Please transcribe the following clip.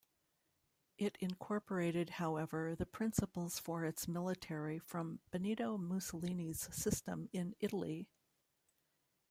It incorporated, however, the principles for its military from Benito Mussolini's system in Italy.